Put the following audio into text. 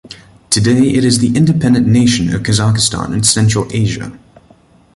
Today it is the independent nation of Kazakhstan in Central Asia.